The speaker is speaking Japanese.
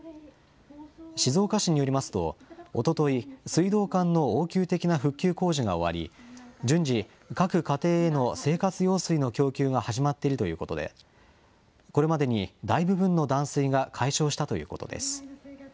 静岡市によりますと、おととい、水道管の応急的な復旧工事が終わり、順次、各家庭への生活用水の供給が始まっているということで、これまでに大部分の断水が解消したということです。